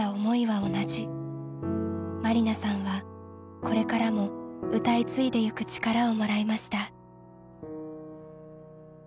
万里奈さんはこれからも歌い継いでゆく力をもらいました。